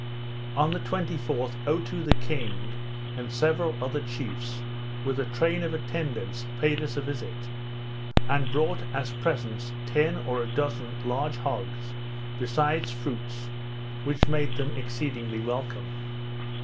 On the 24th, Otoo the king, and several other chiefs, with a train of attendants, paid us a visit, and brought as presents ten or a dozen large hogs, besides fruits, which made them exceedingly welcome.